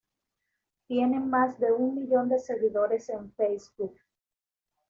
Tiene más de un millón de seguidores en "Facebook".